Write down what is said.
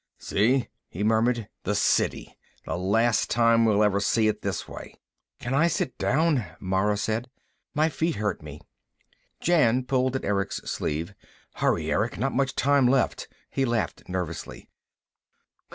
"See," he murmured. "The City. The last time we'll ever see it this way." "Can I sit down?" Mara said. "My feet hurt me." Jan pulled at Erick's sleeve. "Hurry, Erick! Not much time left." He laughed nervously.